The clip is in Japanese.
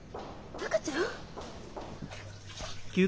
赤ちゃん？